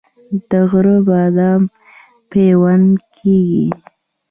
د غره بادام پیوند کیږي؟